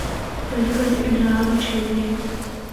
کدے کدے اے ڈرا بھی چُھڑدے ہن۔